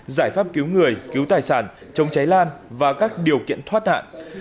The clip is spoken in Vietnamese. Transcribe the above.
giải pháp cứu người cứu tài sản chống cháy lan và các điều kiện thoát nạn